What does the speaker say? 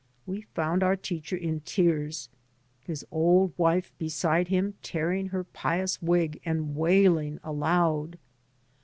We found our teacher in tears, his old wife beside him tearing her pious wig and wailing aloud.